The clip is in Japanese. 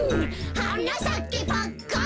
「はなさけパッカン」